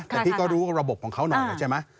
แต่พี่ก็รู้ระบบของเขาหน่อยใช่ไหม